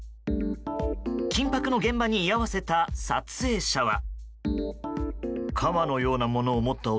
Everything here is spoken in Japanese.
緊迫の現場に居合わせた撮影者は。